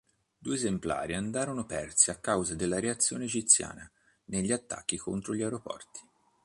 Due esemplari andarono persi a causa della reazione egiziana negli attacchi contro gli aeroporti.